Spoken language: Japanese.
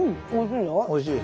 おいしいよ。